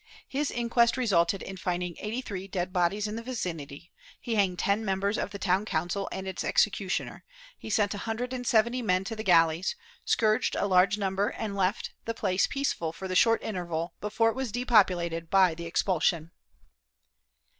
His inquest resulted in finding eighty three dead bodies in the vicinity ; he hanged ten members of the town council and its executioner; he sent a hundred and seventy men to the galleys, scourged a large number, and left the place peaceful for the short interval before it was depopulated by the expulsion.